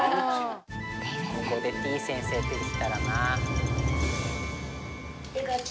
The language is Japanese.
ここでてぃ先生出てきたらな。